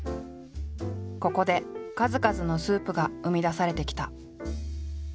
ここで数々のスープが生み出されてきた。